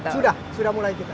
sudah sudah mulai kita